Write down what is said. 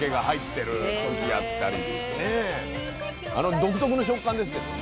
独特の食感ですけどね。